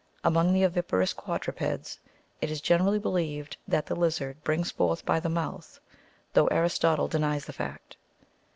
Among the oviparous quadrupeds, it is generally believed that the lizard brings forth by the mouth, though Aristotle denies the fact.